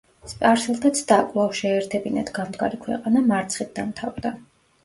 სპარსელთა ცდა, კვლავ შეეერთებინათ გამდგარი ქვეყანა, მარცხით დამთავრდა.